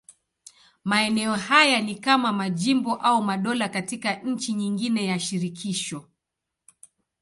Maeneo haya ni kama majimbo au madola katika nchi nyingine ya shirikisho.